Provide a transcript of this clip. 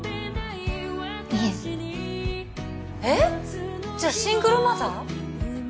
いええっ！？じゃシングルマザー？